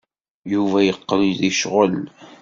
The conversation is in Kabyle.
Yuba yeqqel yecɣel.